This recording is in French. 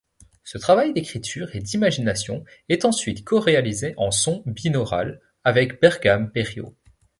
Ce travail d’écriture et d'imagination est ensuite co-réalisé en son binaural, avec Bergame Périaux.